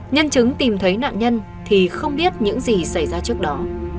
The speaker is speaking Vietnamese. nhân chứng tìm thấy nạn nhân thì không biết những gì xảy ra trước đó